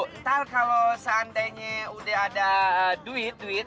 ntar kalo seandainya udah ada duit duit